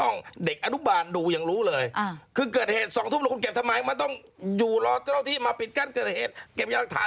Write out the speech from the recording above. ไงง่ายถูกว่า